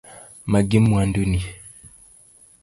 Magi mwandu ni.